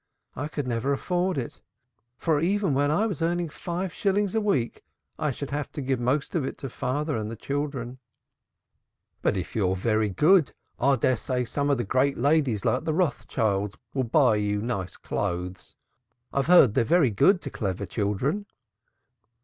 I could never afford it, for even when I was earning five shillings a week I should have to give most of it to father and the children." "But if you're very good I dare say some of the great ladies like the Rothschilds will buy you nice clothes. I have heard they are very good to clever children."